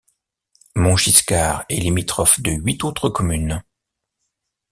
Montgiscard est limitrophe de huit autres communes.